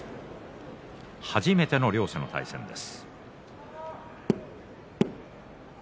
初めての両者の対戦です。